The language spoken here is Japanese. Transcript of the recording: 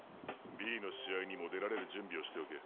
Ｂの試合にも出られる準備をしておけ。